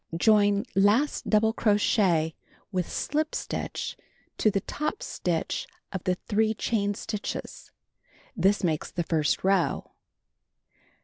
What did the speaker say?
Join last double crochet with slip stitch to the top stitch of the 3 chain stitches. This makes the first row.